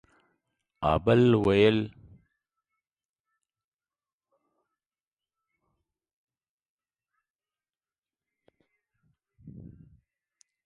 ها بل ويل